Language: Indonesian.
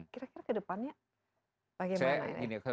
kira kira kedepannya bagaimana ya